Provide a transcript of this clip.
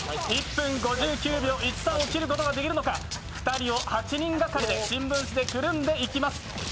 １分５９秒１３を切ることができるのか２人を８人がかりで新聞紙でくるんでいきます。